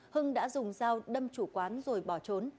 hưng đã dùng dao đâm chủ quán rồi bỏ trốn